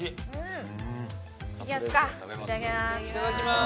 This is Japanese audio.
いただきます。